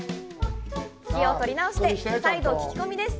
気を取り直して、再度、聞き込みです。